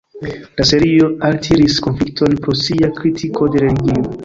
La serio altiris konflikton pro sia kritiko de religio.